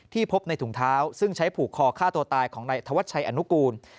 พบในถุงเท้าซึ่งใช้ผูกคอฆ่าตัวตายของนายธวัชชัยอนุกูล